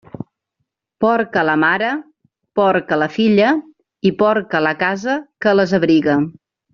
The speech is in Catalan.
Porca la mare, porca la filla i porca la casa que les abriga.